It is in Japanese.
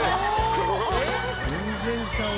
全然ちゃうやん。